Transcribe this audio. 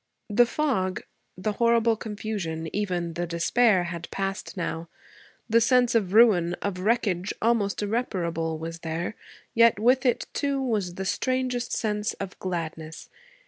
The fog, the horrible confusion, even the despair, had passed now. The sense of ruin, of wreckage almost irreparable, was there; yet with it, too, was the strangest sense of gladness.